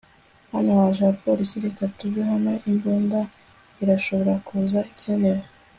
hano haje abapolisi. reka tuve ha imbunda irashobora kuza ikenewe